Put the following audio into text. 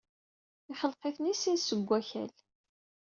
Yexleq-iten di sin seg wakal.